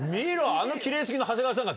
あのキレイ好きな長谷川さんが。